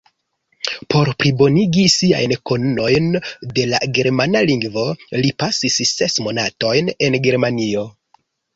Por plibonigi siajn konojn de la germana lingvo li pasis ses monatojn en Germanio.